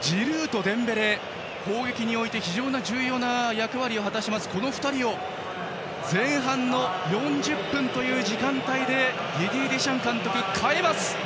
ジルーとデンベレ、攻撃おいて非常に重要な役割を果たす２人を前半の４０分という時間帯でデシャン監督が代えます。